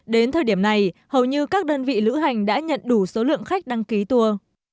đến thời điểm này hầu như các đơn vị lữ hành đã nhận đủ số lượng khách đăng ký tour